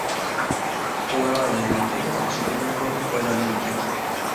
Jugaba de delantero y su primer club fue el Olimpia.